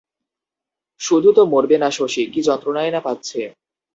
শুধু তো মরবে না শশী, কী যন্ত্রণাই যে পাচ্ছে।